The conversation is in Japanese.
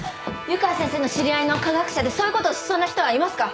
湯川先生の知り合いの科学者でそういうことをしそうな人はいますか？